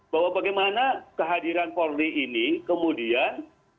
bahwa bagaimana kehadiran polri ini kemudian